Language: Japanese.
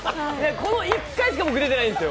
この１回しか僕出てないんですよ。